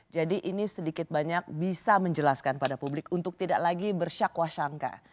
jadi ini sedikit banyak bisa menjelaskan pada publik untuk tidak lagi bersyakwa syangka